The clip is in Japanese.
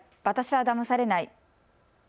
私はだまされない。